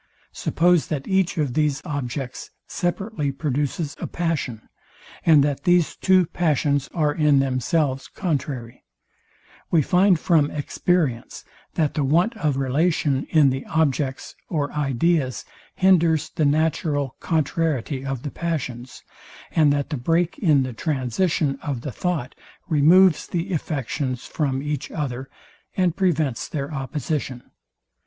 Suppose that each of these objects separately produces a passion; and that these two passions are in themselves contrary: We find from experience, that the want of relation in the objects or ideas hinders the natural contrariety of the passions, and that the break in the transition of the thought removes the affections from each other, and prevents their opposition.